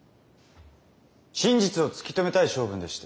真実を突き止めたい性分でして。